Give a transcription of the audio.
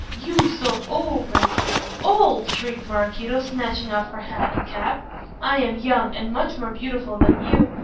You, so old and " "Old!" shrieked Maraquito, snatching off her hat and cap. "I am young and much more beautiful than you.